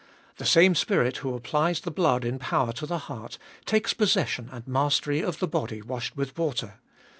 The same Spirit who applies the blood in power to the heart, takes possession and mastery of the body washed with water.